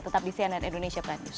tetap di cnn indonesia prime news